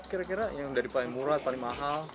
kira kira yang dari paling murah paling mahal